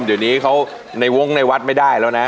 เดี๋ยวนี้เขาในวงในวัดไม่ได้แล้วนะ